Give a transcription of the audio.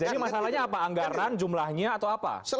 jadi masalahnya apa anggaran jumlahnya atau apa